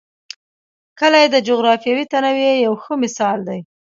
کلي د جغرافیوي تنوع یو ښه مثال دی.